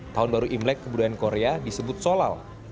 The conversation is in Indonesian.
tahun baru imlek kebudayaan korea disebut solal